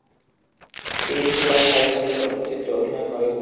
তিনি "Super Size Me" তথ্যচিত্রে অভিনয় করেন।